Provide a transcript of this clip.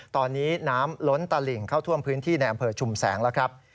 ตอนนี้น้ำล้นตลิ่งเข้าท่วมพื้นที่ในอำเภอชุมแสงแล้วครับ